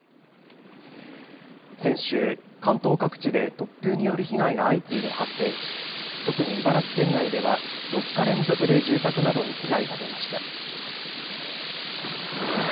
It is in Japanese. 先週、関東各地で突風による被害が相次いで発生し特に茨城県内では４日連続で住宅などに被害が出ました。